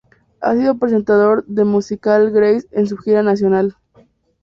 Ha sido presentador del musical Grease en su gira nacional.